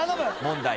問題